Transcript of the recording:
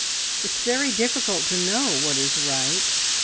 It's very difficult to know what is right.